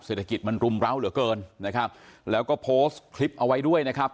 เศรษฐกิจมันรุมร้าวเหลือเกินนะครับแล้วก็โพสต์คลิปเอาไว้ด้วยนะครับ